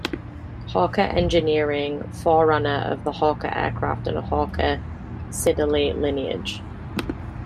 Hawker Engineering, forerunner of the Hawker Aircraft and Hawker Siddeley lineage.